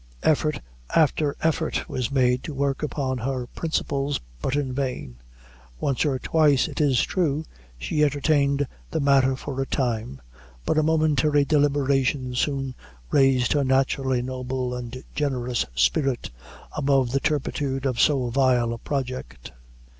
Effort after effort was made to work upon her principles, but in vain. Once or twice, it is true, she entertained the matter for a time but a momentary deliberation soon raised her naturally noble and generous spirit above the turpitude of so vile a project.